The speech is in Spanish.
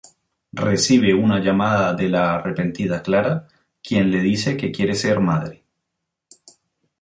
Recibe una llamada de la arrepentida Clara, quien le dice que quiere ser madre.